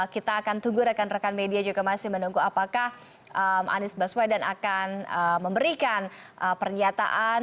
kita akan tunggu rekan rekan media juga masih menunggu apakah anies baswedan akan memberikan pernyataan